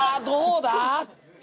どうだ？